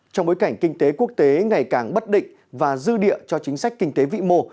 trong bối cảnh kinh tế quốc tế ngày càng bất định và dư địa cho chính sách kinh tế vĩ mô